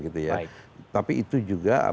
tapi itu juga